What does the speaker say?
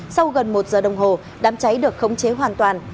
sau gần một giờ đồng hồ đám cháy được khống chế hoàn toàn